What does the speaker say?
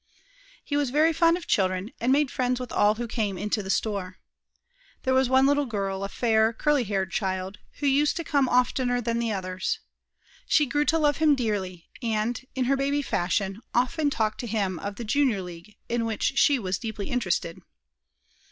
He was very fond of children, and made friends with all who came into the store. There was one little girl, a fair, curly haired child, who used to come oftener than the others. She grew to love him dearly, and, in her baby fashion, often talked to him of the Junior League, in which she was deeply interested.